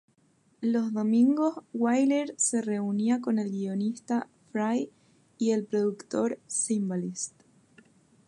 Los domingos, Wyler se reunía con el guionista Fry y el productor Zimbalist.